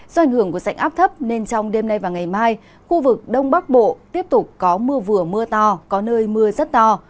do ảnh hưởng của sảnh áp thấp nên trong đêm nay và ngày mai khu vực đông bắc bộ tiếp tục có mưa vừa mưa to có nơi mưa rất to